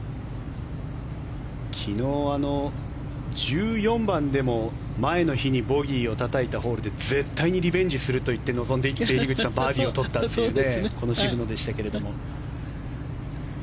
昨日、１４番でも前の日にボギーをたたいたホールで絶対にリベンジすると言って臨んでいって樋口さんバーディーを取ったというこの渋野でしたけれども。